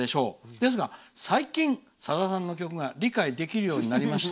ですが、最近さださんの曲が理解できるようになりました」。